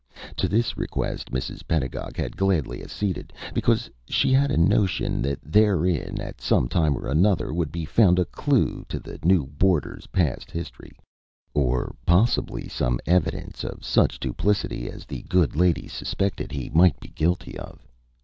To this request Mrs. Pedagog had gladly acceded, because she had a notion that therein at some time or another would be found a clew to the new boarder's past history or possibly some evidence of such duplicity as the good lady suspected he might be guilty of.